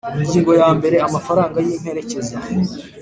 Ingingo ya mbere Amafaranga y imperekeza